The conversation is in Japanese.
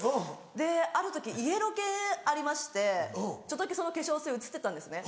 である時家ロケありましてちょっとだけその化粧水映ってたんですね。